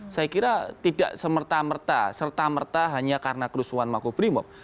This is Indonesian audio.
saya kira tidak semerta merta serta merta hanya karena kerusuhan makubrimob